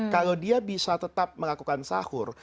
kalau dia bisa tetap melakukan sahur